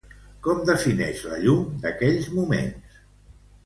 Com defineix la llum d'aquells moments?